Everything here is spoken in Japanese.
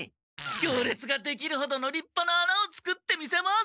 行列ができるほどのりっぱな穴を作ってみせます！